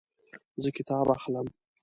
زه کتاب اخلم